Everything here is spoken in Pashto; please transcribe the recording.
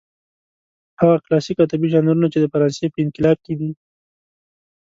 هغه کلاسلیک ادبي ژانرونه چې د فرانسې په انقلاب کې.